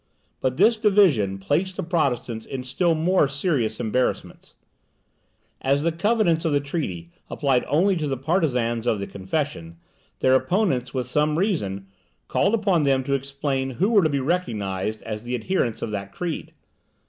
But this division placed the Protestants in still more serious embarrassments. As the covenants of the treaty applied only to the partisans of the Confession, their opponents, with some reason, called upon them to explain who were to be recognized as the adherents of that creed.